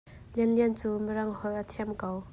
LianLian cu mirang holh a thiam ko.